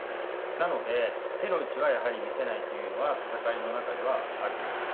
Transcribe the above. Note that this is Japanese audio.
なので、手の内はやはり見せないというのは、戦いの中ではあると思います。